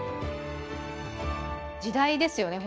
時代ですよね